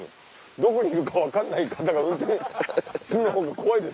どこにいるか分かんない方が運転すんの僕怖いです。